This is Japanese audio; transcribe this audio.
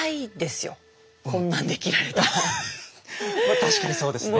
確かにそうですね。